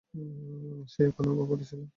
সে ওখানে পড়েছিল।